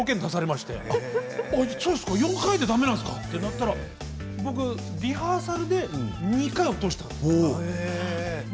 ４回でだめなんですかとなったらリハーサルで僕２回落としたんです。